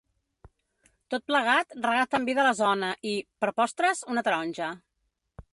Tot plegat regat amb vi de la zona i, per postres, una taronja.